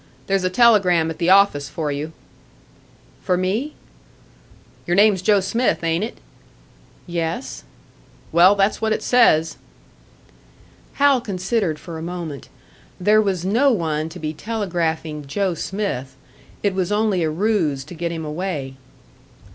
"There's a telegram at the office for you." "For me?" "Your name's Joe Smith, ain't it?" "Yes." "Well, that's what it says." Hal considered for a moment. There was no one to be telegraphing Joe Smith. It was only a ruse to get him away.